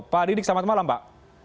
pak didik selamat malam pak